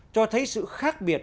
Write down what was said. cho thấy sự khác biệt